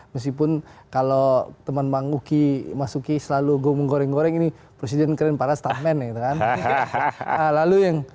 meskipun kalau teman bang uki mas uki selalu ngomong goreng goreng ini presiden keren padahal staff man